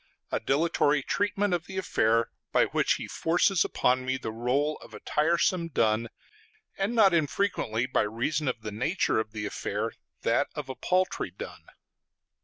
_, a dilatory treatment of the affair, by which he forces upon me the rôle of a tiresome dun, and not infrequently, by reason of the nature of the affair, that of a paltry dun.